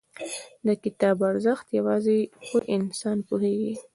• د کتاب ارزښت، یوازې پوه انسان پوهېږي.